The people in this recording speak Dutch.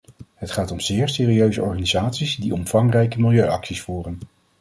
Het gaat om zeer serieuze organisaties, die omvangrijke milieuacties voeren.